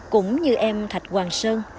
cũng như em thạch hoàng sơn